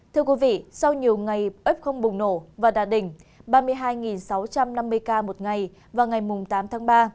thưa quý vị sau nhiều ngày f không bùng nổ và đạt đỉnh ba mươi hai sáu trăm năm mươi ca một ngày vào ngày tám tháng ba